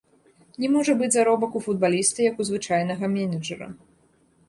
Не можа быць заробак у футбаліста, як у звычайнага менеджара.